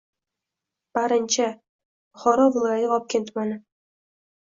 Barincha – q., Buxoro viloyati Vobkent tumani.